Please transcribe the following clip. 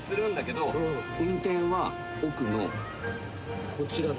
運転は奥のこちらです。